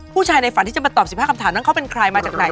ในฝันที่จะมาตอบ๑๕คำถามนั้นเขาเป็นใครมาจากไหน